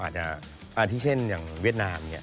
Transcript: เช่นที่เวียดนาม